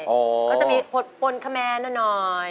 ก็จะมีปวนคะแมนหน่อย